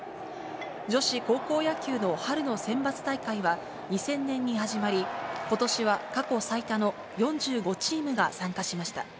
女子高校野球の春の選抜大会は２０００年に始まり、ことしは過去最多の４５チームが参加しました。